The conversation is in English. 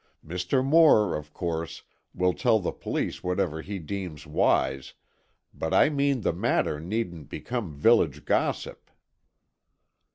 Mr. Moore, of course, will tell the police whatever he deems wise, but I mean the matter needn't become village gossip."